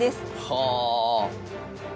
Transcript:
はあ！